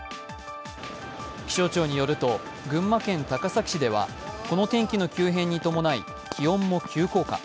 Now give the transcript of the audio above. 気象庁によると群馬県高崎市ではこの天気の急変に伴い気温も急降下。